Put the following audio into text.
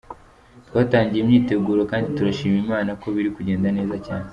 Twatangiye imyiteguro kandi turashima Imana ko biri kugenda neza cyane.